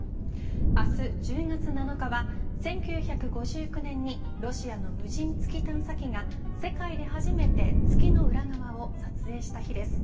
明日１０月７日は１９５９年にロシアの無人月探査機が世界で初めて月の裏側を撮影した日です。